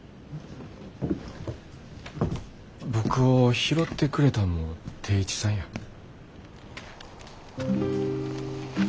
僕を拾ってくれたんも定一さんや。